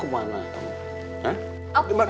emang mau kemana